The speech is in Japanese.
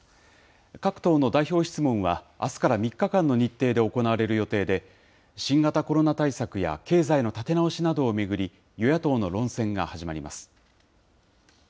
各党の代表質問はあすから３日間の日程で行われる予定で、新型コロナ対策や経済の立て直しなどを巡り、与野党の論戦が始まります。